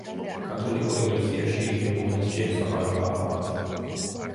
კათოლიკურ ეკლესიაში იღუმენს შეესაბამება აბატი.